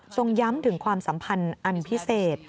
ย้ำถึงความสัมพันธ์อันพิเศษ